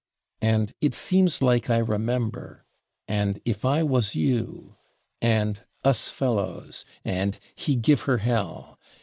and "it seems /like/ I remember," and "if I /was/ you," and "/us/ fellows," and "he /give/ her hell."